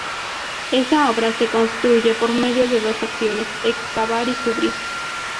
Esta obra se construye por medio de dos acciones: excavar y cubrir.